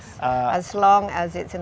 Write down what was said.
jika ada di depan